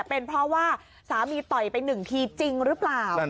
เป็นเพราะว่าสามีต่อยไปหนึ่งทีจริงหรือเปล่า